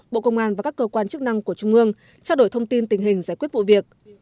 bộ công an và các cơ quan chức năng của trung ương trao đổi thông tin tình hình giải quyết vụ việc